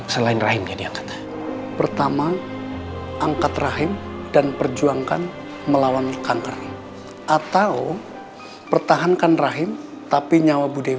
sampai jumpa di video selanjutnya